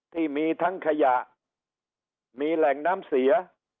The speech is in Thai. ที่มีทั้งขยะมีแหล่งน้ำเสีย